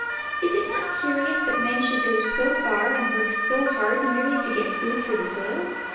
Is it not curious that men should go so far and work so hard merely to get food for the soil?